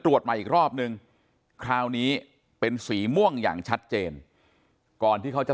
ตรวจใหม่อีกรอบนึงคราวนี้เป็นสีม่วงอย่างชัดเจนก่อนที่เขาจะ